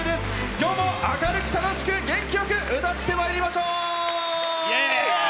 今日も明るく楽しく元気よく歌ってまいりましょう！